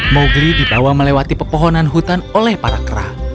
mowgli dibawa melewati pepohonan hutan oleh para kera